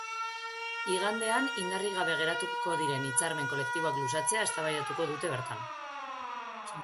Igandean indarrik gabe geratuko diren hitzarmen kolektiboak luzatzea eztabaidatuko dute bertan.